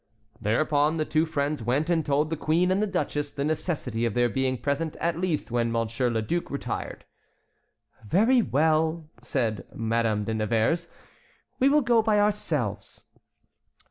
Thereupon the two friends went and told the queen and the duchess the necessity of their being present at least when Monsieur le Duc retired. "Very well," said Madame de Nevers, "we will go by ourselves."